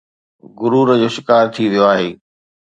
غرور جو شڪار ٿي ويو آهي